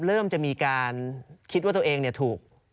เริ่มจะมีการคิดว่าตัวเองถูก